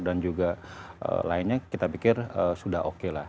dan juga lainnya kita pikir sudah oke lah